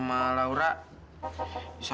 gak ada characteristic nya